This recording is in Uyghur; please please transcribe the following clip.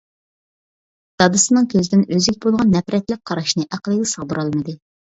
دادىسىنىڭ كۆزىدىن ئۆزىگە بولغان نەپرەتلىك قاراشنى ئەقلىگە سىغدۇرالمىدى.